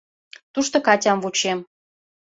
Тушто Катям вучем.